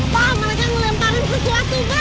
pa mereka ngelemparin sesuatu pa